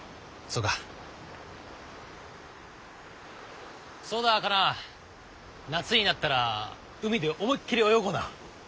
そうだカナ夏になったら海で思いっきり泳ごうな。